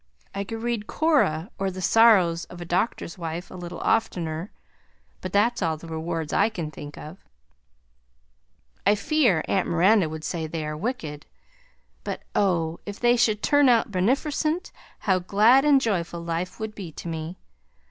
I could read Cora or the Sorrows of a Doctor's Wife a little oftener, but that's all the rewards I can think of. I fear Aunt Miranda would say they are wicked but oh! if they should turn out benefercent how glad and joyful life would be to me!